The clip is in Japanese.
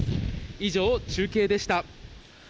以上、中継でした。